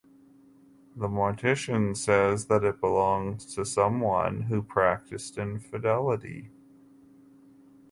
The mortician says that it belongs to someone who practiced infidelity.